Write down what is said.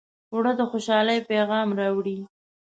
اوړه د خوشحالۍ پیغام راوړي